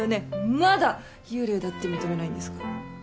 まだ幽霊だって認めないんですか？